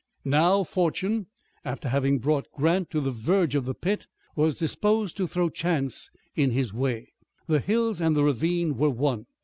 Now Fortune, after having brought Grant to the verge of the pit, was disposed to throw chances in his way. The hills and the ravine were one.